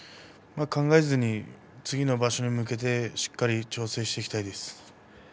考えずに次の場所に向けてしっかり調整していきたいです。